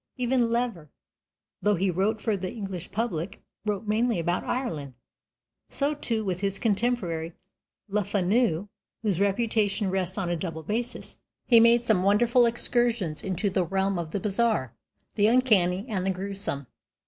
Even Lever, though he wrote for the English public, wrote mainly about Ireland. So, too, with his contemporary Le Fanu, whose reputation rests on a double basis. He made some wonderful excursions into the realm of the bizarre, the uncanny, and the gruesome.